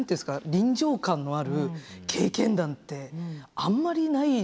臨場感のある経験談ってあんまりないじゃないですか。